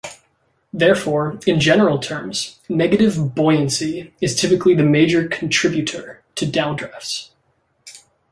Therefore, in general terms, negative buoyancy is typically the major contributor to downdrafts.